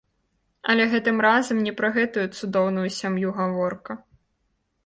Але гэтым разам не пра гэтую цудоўную сям'ю гаворка.